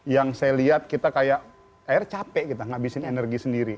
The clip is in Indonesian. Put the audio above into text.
yang saya lihat kita kayak air capek kita ngabisin energi sendiri